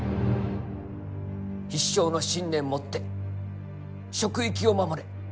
必勝の信念もって職域を守れ。